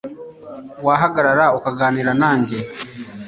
wahagarara ukaganira nanjye